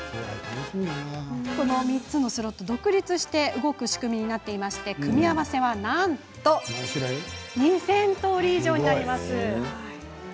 ３つのスロット独立して動く仕組みになっていて組み合わせはなんと２０００とおり以上。